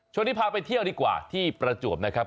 ช่วงนี้พาไปเที่ยวดีกว่าที่ประจวบนะครับ